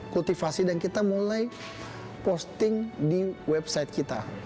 kutivasi dan kita mulai posting di website kita